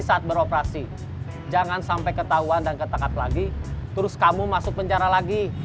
hati hati saya ingin mengingatkan anda untuk berpengalaman di dalam perjalanan ini